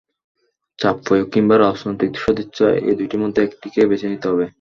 চাপ প্রয়োগ কিংবা রাজনৈতিক সদিচ্ছা—এই দুটির মধ্যে একটিকে বেছে নিতে হবে।